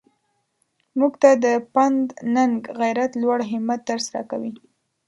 موږ ته د پند ننګ غیرت لوړ همت درس راکوي.